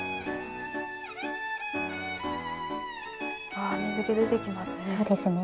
ああ水気出てきますね。